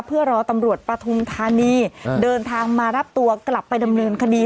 เพื่อรอตำรวจปฐุมธานีเดินทางมารับตัวกลับไปดำเนินคดี